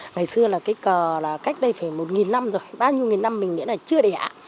ngày xưa là cái cờ là cách đây phải một năm rồi bao nhiêu một năm mình nghĩ là chưa đẻ ạ